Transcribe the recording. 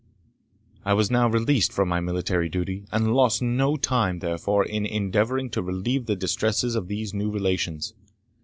I was now released from my military duty, and lost no time, therefore, in endeavouring to relieve the distresses of these new relations.